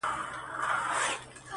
د اسرافیل شپېلۍ ته اور ورته کومه ځمه-